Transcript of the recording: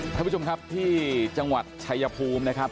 ท่านผู้ชมครับที่จังหวัดชายภูมินะครับ